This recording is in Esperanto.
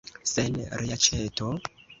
Sen reaĉeto?